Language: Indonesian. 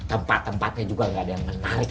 tempat tempatnya juga gak ada yang menarik